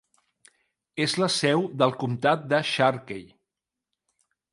És la seu del comtat de Sharkey.